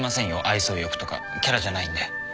愛想よくとかキャラじゃないんで。